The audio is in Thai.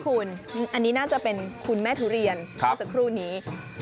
อันนี้น่าจะเป็นคุณแม่ทุเรียนเมื่อสักครู่นี้